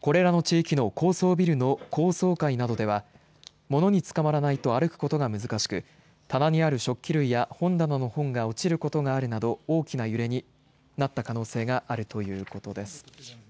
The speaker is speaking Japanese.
これらの地域の高層ビルの高層階などでは物につかまらないと歩くことが難しく棚ある食器類や本棚の本が落ちることがあるなど大きな揺れになった可能性があるということです。